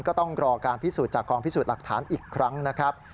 ก็ต้องรอการพิสูจน์จากกองพิสูจน์หลักฐานอีกครั้งนะครับ